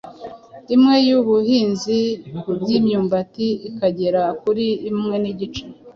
imwe y’ubuhinzi bw’imyumbati akagera kuri imwe n’igice,